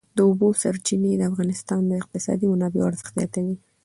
د اوبو سرچینې د افغانستان د اقتصادي منابعو ارزښت زیاتوي.